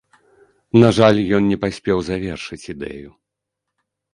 На жаль, ён не паспеў завершыць ідэю.